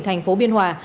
thành phố biên hòa